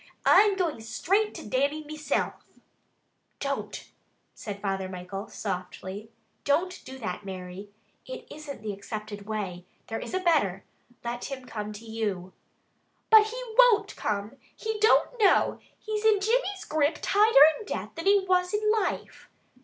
"I'm going straight to Dannie meself." "Don't!" said Father Michael softly. "Don't do that, Mary! It isn't the accepted way. There is a better! Let him come to you." "But he won't come! He don't know! He's in Jimmy's grip tighter in death than he was in life."